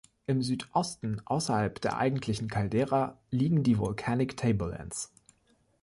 Im Südosten außerhalb der eigentlichen Caldera liegen die "Volcanic Tablelands".